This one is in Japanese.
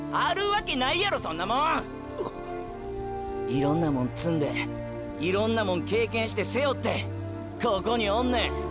いろんなもん積んでいろんなもん経験して背負ってここにおんねん！！